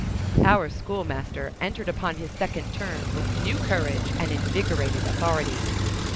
Our schoolmaster entered upon his second term with new courage and invigorated authority.